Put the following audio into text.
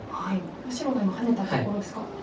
白が今ハネたところですが。